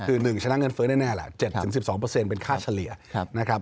คือ๑ชนะเงินเฟ้อแน่แหละ๗๑๒เป็นค่าเฉลี่ยนะครับ